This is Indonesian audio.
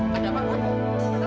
bu ada apa apa